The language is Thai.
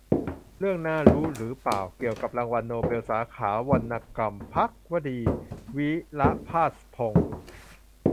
เรื่องน่ารู้ หรือเปล่า ? เกี่ยวกับรางวัลโนเบลสาขาวรรณกรรม - ภัควดี วีระภาสพงษ์